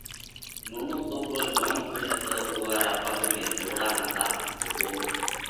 نونو سوڪرو جوم کُش هتو، اُوئا را پڳ ۾ زوڙا نتا روڳو